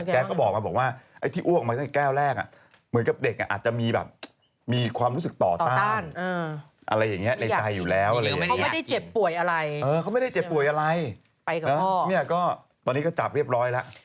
เขาไม่ได้เจ็บป่วยอะไรไปกับพ่อเนี่ยก็ตอนนี้ก็จับเรียบร้อยแล้ว